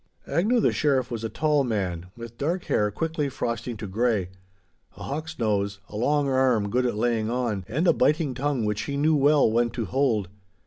Agnew the Sheriff was a tall man, with dark hair quickly frosting to grey, a hawk's nose, a long arm good at laying on, and a biting tongue which he knew well when to hold.